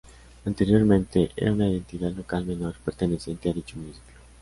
Anteriormente era una Entidad Local Menor perteneciente a dicho municipio.